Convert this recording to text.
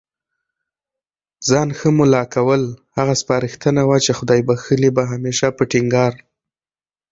ځان ښه مُلا کول، هغه سپارښتنه وه چي خدای بخښلي به هميشه په ټينګار